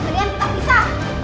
kemudian kita pisah